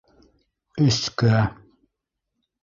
Өскә.